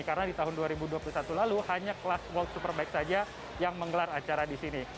karena di tahun dua ribu dua puluh satu lalu hanya kelas world superbike saja yang menggelar acara di sini